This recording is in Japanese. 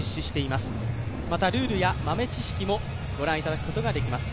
またルールや豆知識もご覧いただくことができます。